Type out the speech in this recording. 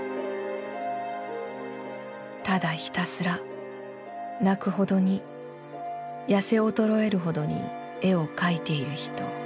「ただひたすら泣くほどにやせおとろえるほどに絵を描いている人。